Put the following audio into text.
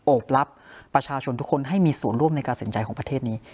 รับประชาชนทุกคนให้มีส่วนร่วมในการสินใจของประเทศนี้